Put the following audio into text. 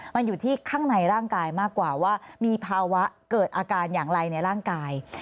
มันอยู่ที่ข้างในร่างกายมากกว่าว่ามีภาวะเกิดอาการอย่างไรในร่างกาย